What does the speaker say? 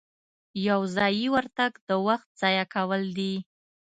یو ځایي ورتګ د وخت ضایع کول دي.